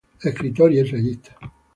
Escritor y ensayista.